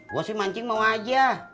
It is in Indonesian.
gue sih mancing mau aja